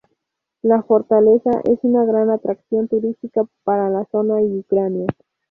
La fortaleza es una gran atracción turística para la zona y Ucrania.